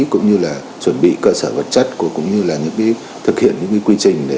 cũng như là chuẩn bị cơ sở vật chất cũng như là những thực hiện những quy trình